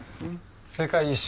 世界一周